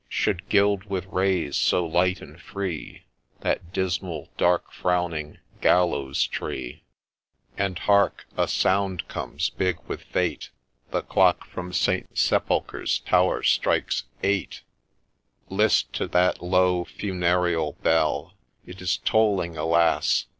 — Should gild with rays so light and free That dismal, dark frowning Gallows tree I And hark !— a sound comes, big with fate ; The clock from St. Sepulchre's tower strikes — Eight !— THE EXECUTION i85 List to that low funereal bell : It is tolling, alas